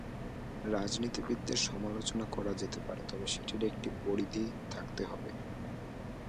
রাজনীতিবিদদের সমালোচনা করা যেতে পারে, তবে সেটির একটি পরিধি থাকতে হবে।